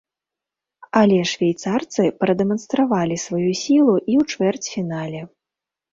Але швейцарцы прадэманстравалі сваю сілу і ў чвэрцьфінале.